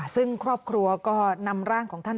ซึ่งครอบครัวก็นำร่างของท่าน